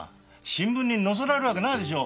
新聞に載せられるわけないでしょ